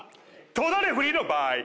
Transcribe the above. トダレフリーの場合。